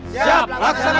siap pak kesanatan